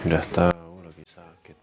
udah tau lagi sakit